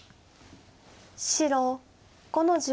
白５の十。